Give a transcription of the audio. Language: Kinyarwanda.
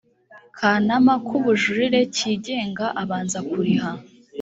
kanama k ubujurire kigenga abanza kuriha